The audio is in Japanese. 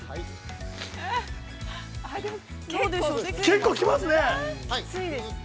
◆結構きますね。